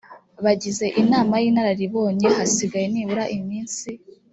bagize inama y inararibonye hasigaye nibura iminsi